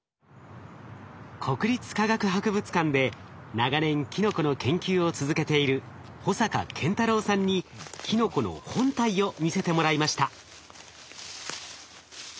国立科学博物館で長年キノコの研究を続けている保坂健太郎さんにキノコの本体を見せてもらいました。